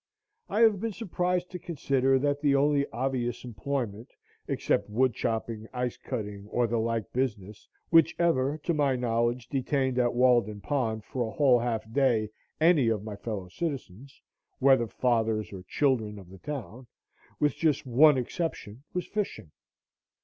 I have been surprised to consider that the only obvious employment, except wood chopping, ice cutting, or the like business, which ever to my knowledge detained at Walden Pond for a whole half day any of my fellow citizens, whether fathers or children of the town, with just one exception, was fishing.